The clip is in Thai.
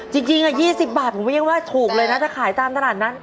จริง๒๐บาทผมก็ยังว่าถูกเลยนะถ้าขายตามตลาดนั้น